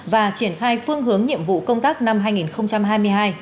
và triển khai phương hướng nhiệm vụ công tác năm hai nghìn hai mươi hai